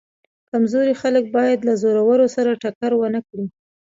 کمزوري خلک باید له زورورو سره ټکر ونه کړي.